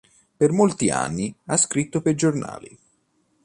Per molti anni ha scritto per giornali.